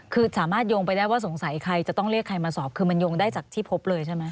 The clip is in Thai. คือสามารถโยงไปได้ว่าสงสัยใครจะต้องเรียกใครมาสอบคือมันโยงได้จากที่พบเลยใช่ไหม